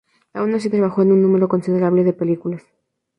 Aun así, trabajó en un número considerable de películas.